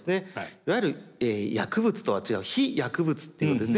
いわゆる薬物とは違う非薬物っていうのですね